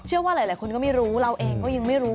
ว่าหลายคนก็ไม่รู้เราเองก็ยังไม่รู้